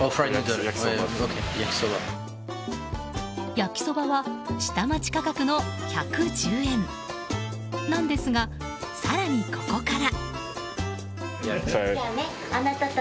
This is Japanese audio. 焼きそばは下町価格の１１０円なんですが更にここから。